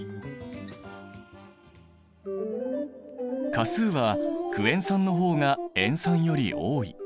価数はクエン酸の方が塩酸より多い。